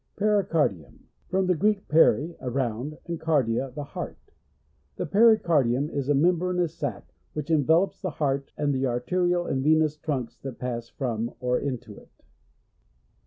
Pericardium. — From the Greak, peri, around, and kardia, the heart. The pericardium is a membranous sac, which envelopes the heart, and the arterial and venous trunks that pass from, or into it.